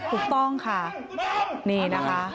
ถูกต้องค่ะนี่นะคะ